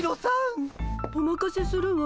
おまかせするわ。